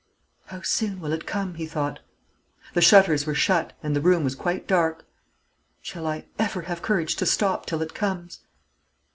"How soon will it come?" he thought. The shutters were shut, and the room was quite dark. "Shall I ever have courage to stop till it comes?"